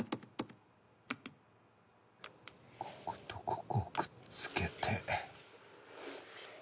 こことここをくっつけて。